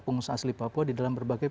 pengusaha asli papua di dalam berbagai